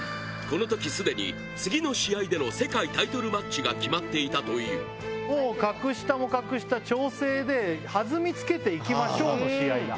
この時すでに次の試合での世界タイトルマッチが決まっていたというもう格下も格下調整で「弾みつけて行きましょう」の試合だ。